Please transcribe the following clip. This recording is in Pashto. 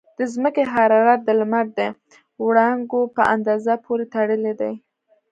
د ځمکې حرارت د لمر د وړانګو په اندازه پورې تړلی دی.